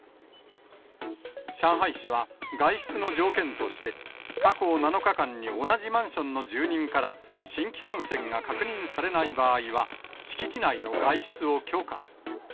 上海市は、外出の条件として、過去７日間に同じマンションの住人から新規感染が確認されない場合は、敷地内の外出を許可。